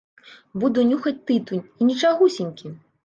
Буду нюхаць тытунь, і нічагусенькі!